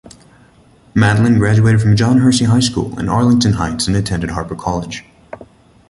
Matlin graduated from John Hersey High School in Arlington Heights and attended Harper College.